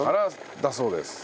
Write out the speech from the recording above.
だそうです。